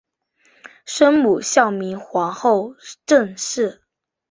生母孝明皇后郑氏。